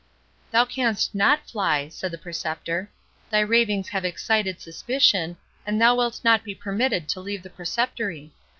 "Thou canst not fly," said the Preceptor; "thy ravings have excited suspicion, and thou wilt not be permitted to leave the Preceptory.